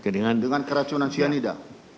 dengan keracunan cyanida